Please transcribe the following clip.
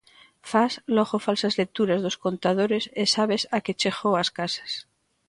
Fas logo falsas lecturas dos contadores e sabes a que chegou ás casas.